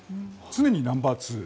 常にナンバーツー。